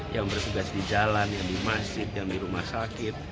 yang bertugas di jalan yang di masjid yang di rumah sakit